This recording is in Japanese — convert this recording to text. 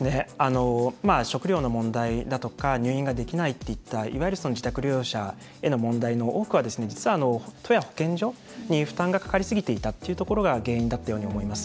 食料の問題だとか入院ができないっていったいわゆる自宅療養者への問題の多くは、実は都や保健所に負担がかかりすぎていたというところが原因だったように思います。